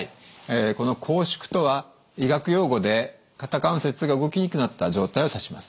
この拘縮とは医学用語で肩関節が動きにくくなった状態を指します。